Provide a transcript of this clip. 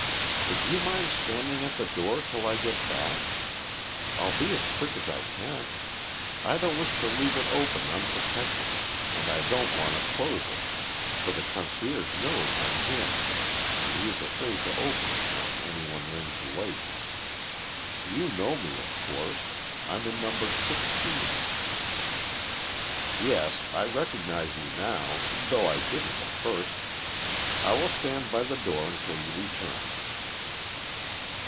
"Would you mind standing at the other door till I get back? I'll be as quick as I can. I don't wish to leave it open unprotected, and I don't want to close it, for the concierge knows I'm in and he is afraid to open it when any one rings late. You know me, of course; I'm in No. 16." "Yes, I recognise you now, though I didn't at first. I will stand by the door until you return."